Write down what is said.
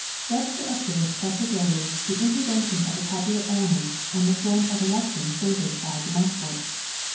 Webster observed parti cularly the intervention of the popular element and the form of election favoured by de Montfort.